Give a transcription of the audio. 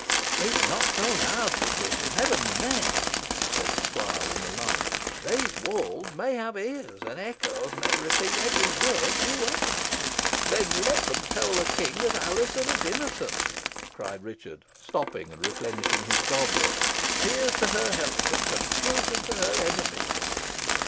"Speak not so loudly, Dick, in Heaven's name!" said the squire, in alarm; "these walls may have ears, and echoes may repeat every word you utter." "Then let them tell the King that Alizon is innocent," cried Richard, stopping, and replenishing his goblet, "Here's to her health, and confusion to her enemies!"